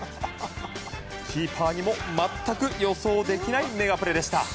キーパーにも全く予想できないメガプレでした。